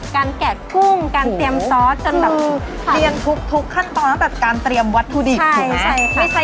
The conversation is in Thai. การแกะกุ้งการเตรียมซอสกันแบบค่ะเรียงทุกขั้นตอนตั้งแต่การเตรียมวัตถุดิบถูกไหมใช่ใช่